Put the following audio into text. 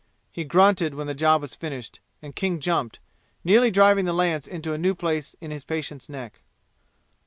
He grunted when the job was finished, and King jumped, nearly driving the lance into a new place in his patient's neck.